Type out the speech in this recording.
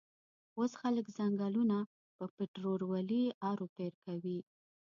وس خلک ځنګلونه په پیټررولي ارو پیرکوی